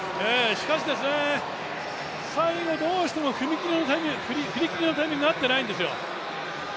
しかし最後どうしても振り切りのタイミングが合ってないんですよ。